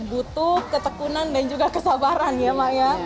butuh ketekunan dan juga kesabaran ya mak ya